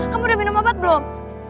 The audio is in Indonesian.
kamu udah minum obat belum